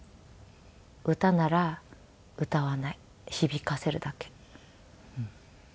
「歌なら歌わない響かせるだけ」。